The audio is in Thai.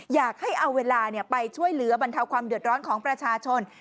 อยากให้เอาเวลาไปช่วยเหลือบรรเทาความเดือดร้อนของประชาชน